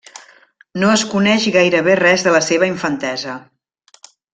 No es coneix gairebé res de la seva infantesa.